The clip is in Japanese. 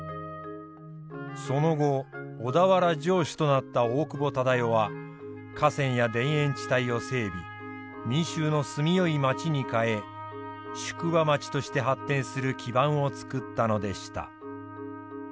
その後小田原城主となった大久保忠世は河川や田園地帯を整備民衆の住みよい街に変え宿場町として発展する基盤を作ったのでした。